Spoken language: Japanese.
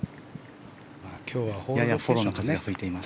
ややフォローの風が吹いています。